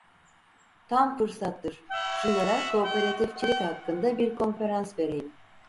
Tam fırsattır, şunlara kooperatifçilik hakkında bir konferans vereyim!